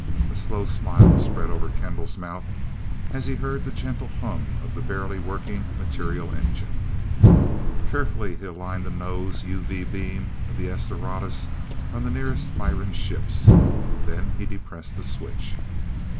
A slow smile spread over Kendall's mouth as he heard the gentle hum of the barely working material engine. Carefully he aligned the nose UV beam of the "S Doradus" on the nearest of the Miran ships. Then he depressed a switch.